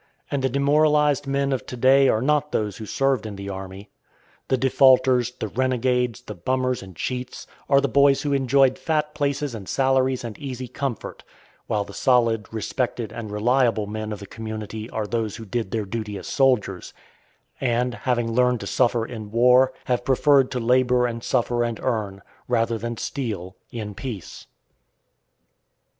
And the demoralized men of to day are not those who served in the army. The defaulters, the renegades, the bummers and cheats, are the boys who enjoyed fat places and salaries and easy comfort; while the solid, respected, and reliable men of the community are those who did their duty as soldiers, and, having learned to suffer in war, have preferred to labor and suffer and earn, rather than steal, in peace.